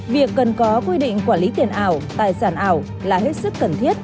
việc cần có quy định quản lý tiền ảo tài sản ảo là hết sức cần thiết